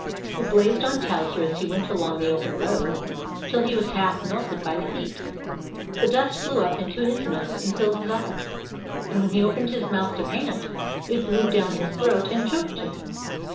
It blazed on Towser as he went along the open road, till he was half melted by the heat. The dust flew up into his nose and filled his eyes ; and when he opened his mouth to pant, it blew down his throat and choked him.